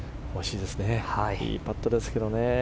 いいパットですけどね。